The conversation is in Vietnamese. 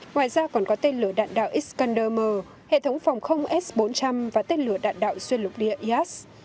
ngoài ra còn có tên lửa đạn đạo iscander m hệ thống phòng không s bốn trăm linh và tên lửa đạn đạo xuyên lục địa is